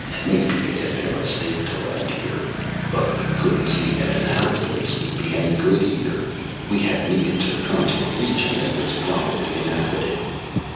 Maybe it had been a mistake to land here. But we couldn't see that an arid place would be any good either. We had needed to come to a region that was probably inhabited.